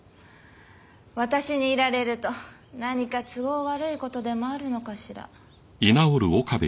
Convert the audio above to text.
私にいられると何か都合悪い事でもあるのかしら？